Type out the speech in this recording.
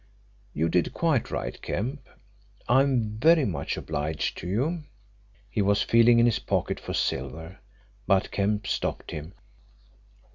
"You did quite right, Kemp. I am very much obliged to you." He was feeling in his pocket for silver, but Kemp stopped him.